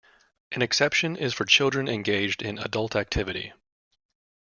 An exception is for children engaged in adult activity.